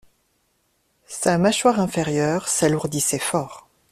Sa mâchoire inférieure s'alourdissait fort.